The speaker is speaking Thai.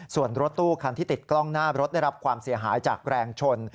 ส่วนรถตู้คันที่ติดกล้องหน้ารถได้รับความเสียหายจากแรงชน